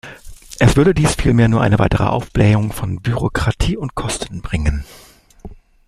Es würde dies vielmehr nur eine weitere Aufblähung von Bürokratie und Kosten bringen.